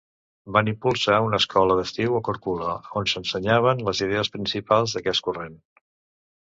Van impulsar una escola d'estiu a Korčula on s'ensenyaven les idees principals d'aquest corrent.